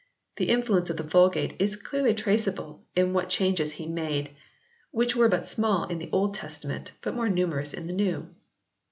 The influence of the Vulgate is clearly traceable in what changes he made, which were but small in the Old Testament, but more numerous in the New.